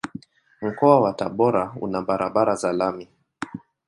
Mkoa wa Tabora una barabara za lami.